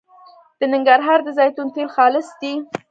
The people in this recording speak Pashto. د ننګرهار د زیتون تېل خالص دي